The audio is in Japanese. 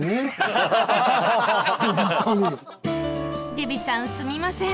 デビさんすみません